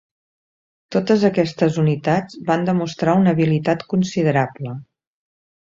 Totes aquestes unitats van demostrar una habilitat considerable.